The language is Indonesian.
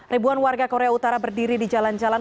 ribuan warga korea utara berdiri di jalan jalan